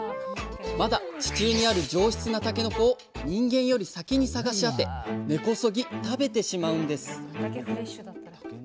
まだ地中にある上質なたけのこを人間より先に探し当て根こそぎ食べてしまうんです